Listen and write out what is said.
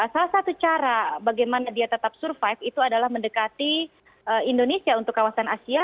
salah satu cara bagaimana dia tetap survive itu adalah mendekati indonesia untuk kawasan asia